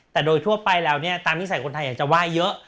แต่โดยถั่วไปตามนิสัยคนไทยจะไหว้เยอะ